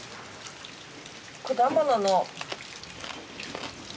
果物の。